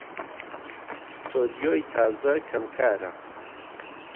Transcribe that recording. ستۆدیۆی تازە کەم کارە